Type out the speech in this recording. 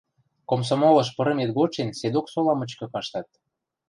— Комсомолыш пырымет годшен седок сола мычкы каштат.